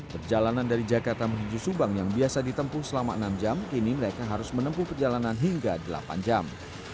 perjalanan dari jakarta menuju subang yang biasa ditempuh selama enam jam kini mereka harus menempuh perjalanan hingga delapan jam